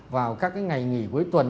vào các ngày nghỉ cuối tuần